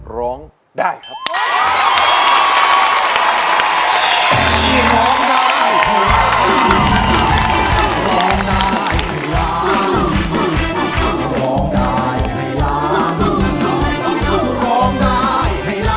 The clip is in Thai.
ร้องได้ครับ